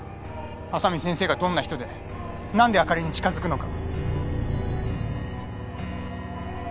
浅海先生がどんな人でなんで朱莉に近づくのか。